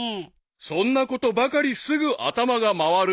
［そんなことばかりすぐ頭が回る］